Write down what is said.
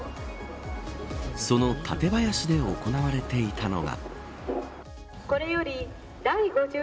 その館林で行われていたのが。